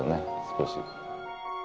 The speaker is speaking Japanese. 少し。